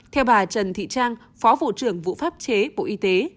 theo bà trần thị trang phó vụ trưởng vụ pháp chế bộ y tế